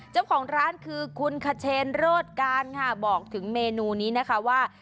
เจ้าของร้านคือคุณคเชนโรธการค่ะบอกถึงเมนูนี้นะคะว่า